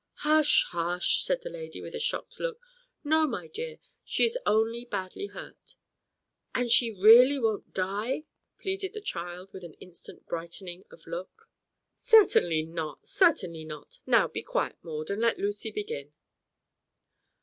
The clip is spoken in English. "Hush, hush!" said the lady, with a shocked look. "No, my dear, she is only badly hurt." "And she really won't die?" pleaded the child, with an instant brightening of look. "Certainly not, certainly not. Now be quiet, Maud, and let Lucy begin."